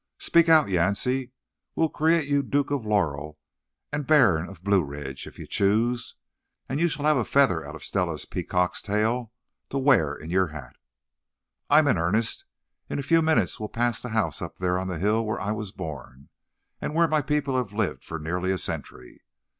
"Speak out, Yancey. We'll create you Duke of Laurel and Baron of Blue Ridge, if you choose; and you shall have a feather out of Stella's peacock's tail to wear in your hat." "I'm in earnest. In a few minutes we'll pass the house up there on the hill where I was born, and where my people have lived for nearly a century.